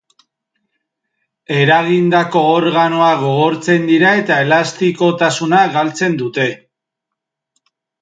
Eragindako organoak gogortzen dira eta elastikotasuna galtzen dute.